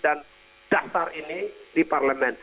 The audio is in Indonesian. dan dasar ini di parlemen